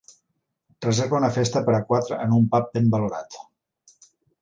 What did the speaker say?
reserva una festa per a quatre en un pub ben valorat